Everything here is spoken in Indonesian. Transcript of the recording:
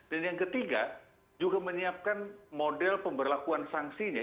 dan yang ketiga juga menyiapkan model pemberlakuan sanksinya